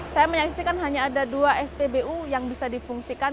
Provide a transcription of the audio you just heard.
saya menyaksikan hanya ada dua spbu yang bisa difungsikan